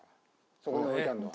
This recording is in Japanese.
そこに置いてあるのは。